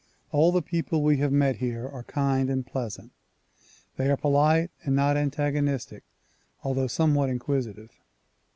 All the people we have met here are kind and pleasant. They are polite and not antago nistic although somewhat inquisitive.